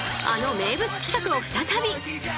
あの名物企画を再び。